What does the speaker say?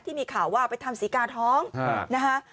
ที่มีข่าวว่าไปทำศรีกาท้องนะคะ